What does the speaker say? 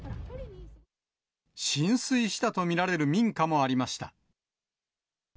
浸水したと見られる民家もありました。